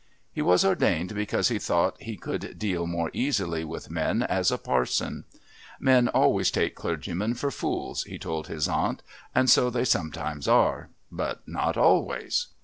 He was ordained because he thought he could deal more easily with men as a parson. "Men always take clergymen for fools," he told his aunt, "and so they sometimes are...but not always."